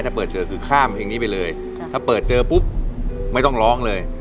ถ้าเปิดเจอคือข้ามเพลงนี้ไปเลยถ้าเปิดเจอปุ๊บไม่ต้องร้องเลย